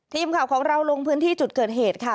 ทีมข่าวของเราลงพื้นที่จุดเกิดเหตุค่ะ